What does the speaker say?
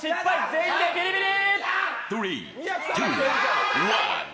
全員でビリビリ。